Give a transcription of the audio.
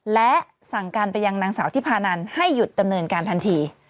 และสั่งการไปยังนางสาวที่พานันให้หยุดดำเนินการทันที